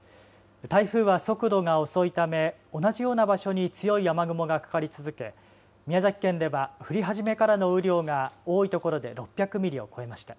台風は速度が遅いため同じような場所に強い雨雲がかかり続け、宮崎県では降り始めからの雨量が多いところで６００ミリを超えました。